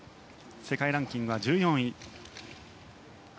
世界ランキングは１４位。